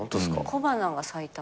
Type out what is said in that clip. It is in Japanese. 小花が咲いた。